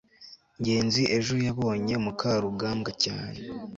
ngenzi ejo yabonye mukarugambwa cyane